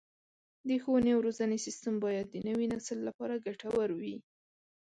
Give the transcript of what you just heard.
د ښوونې او روزنې سیستم باید د نوي نسل لپاره ګټور وي.